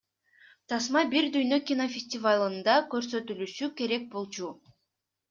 Тасма Бир Дүйнө кинофестивалында көрсөтүлүшү керек болчу.